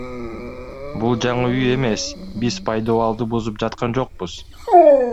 Бул жаңы үй эмес, биз пайдубалды бузуп жаткан жокпуз.